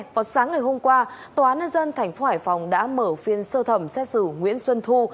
vào sáng ngày hôm qua tòa dân thành phố hải phòng đã mở phiên sơ thẩm xét xử nguyễn xuân thu